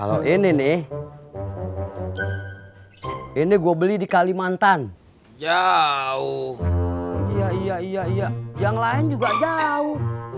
kalau ini nih ini gue beli di kalimantan jauh iya iya iya yang lain juga jauh